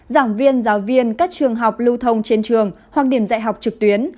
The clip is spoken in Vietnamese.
giảng viên giáo viên các trường học lưu thông trên trường hoặc điểm dạy học trực tuyến